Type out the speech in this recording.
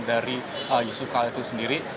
jadi yusuf kala itu sendiri